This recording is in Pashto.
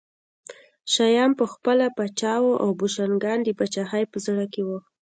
شیام پخپله پاچا و او بوشنګان د پاچاهۍ په زړه کې وو